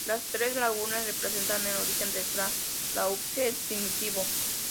Las tres lagunas, representan el origen del Cla Lauquen primitivo.